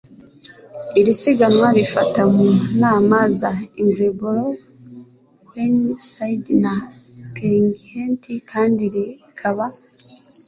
Iri siganwa rifata mu nama za Ingleborough Whernside na Penyghent kandi rikaba